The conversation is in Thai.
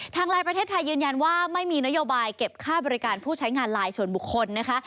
ทางไลน์ประเทศไทยยืนยันว่าไม่มีนโยบายเก็บค่าบริการผู้ใช้งานไลน์ส่วนบุคคลนะคะ